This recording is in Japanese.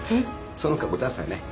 その格好ださいね。